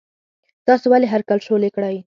تاسو ولې هر کال شولې کرئ؟